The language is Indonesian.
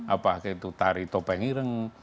apakah itu tari topeng ireng